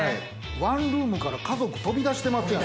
ワンルームから家族飛び出してますやん。